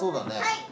はい！